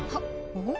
おっ！